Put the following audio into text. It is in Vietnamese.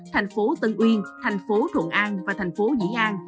thành phố tân uyên thành phố thuận an và thành phố dĩ an